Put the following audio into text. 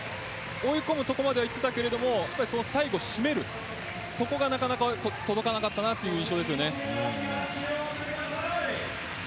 追い込むところまでいっていましたが最後を締めるそこがなかなか届かなかった印象です。